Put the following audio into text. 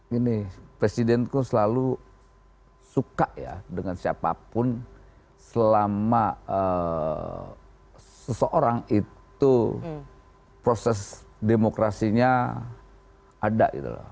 gini presiden kok selalu suka ya dengan siapapun selama seseorang itu proses demokrasinya ada gitu loh